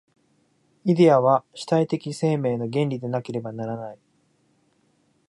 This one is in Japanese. イデヤは主体的生命の原理でなければならない。